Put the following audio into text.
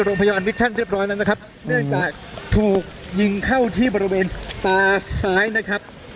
โรงพยาบาลวิกท่านเรียบร้อยแล้วนะครับเนื่องจากถูกยิงเข้าที่บริเวณตาซ้ายนะครับ